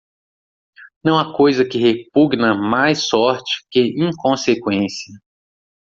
Não há coisa que repugna mais sorte que inconsequência.